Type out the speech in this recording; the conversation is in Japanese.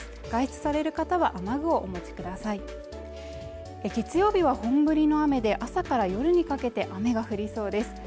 外出される方は雨具をお持ちください月曜日は本降りの雨で朝から夜にかけて雨が降りそうです